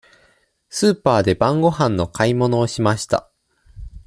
スーパーで晩ごはんの買い物をしました。